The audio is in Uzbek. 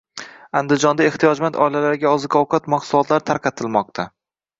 Andijonda ehtiyojmand oilalarga oziq-ovqat mahsulotlari tarqatilmoqda